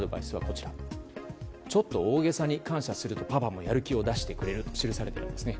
ちょっと大げさに感謝するとパパもやる気を出してくれると記されているんですね。